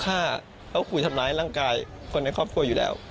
ถ้าเขาคุยทำร้ายร่างกายคนในครอบครัวอยู่แล้ว